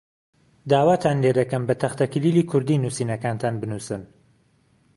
داواتان لێ دەکەم بە تەختەکلیلی کوردی نووسینەکانتان بنووسن.